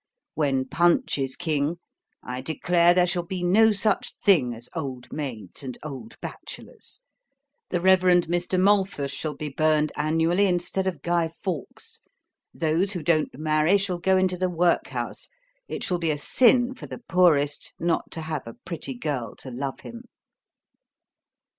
When PUNCH is king, I declare there shall be no such thing as old maids and old bachelors. The Reverend Mr. Malthus shall be burned annually, instead of Guy Fawkes. Those who don't marry shall go into the workhouse. It shall be a sin for the poorest not to have a pretty girl to love him.